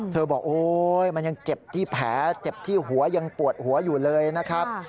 บอกโอ๊ยมันยังเจ็บที่แผลเจ็บที่หัวยังปวดหัวอยู่เลยนะครับ